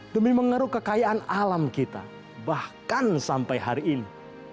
demi mengeruk kekayaan alam kita bahkan sampai hari ini